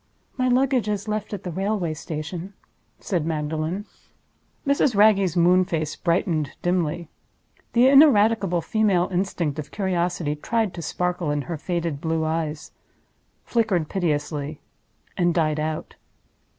"My luggage is left at the railway station," said Magdalen. Mrs. Wragge's moon face brightened dimly. The ineradicable female instinct of Curiosity tried to sparkle in her faded blue eyes—flickered piteously—and died out.